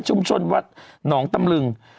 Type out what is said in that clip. ชุมชนวัดหนองตำรึง